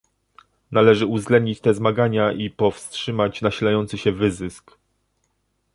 Należy uwzględnić te zmagania i powstrzymać nasilający się wyzysk